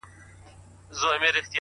ستا د سونډو د خندا په خاليگاه كـي.!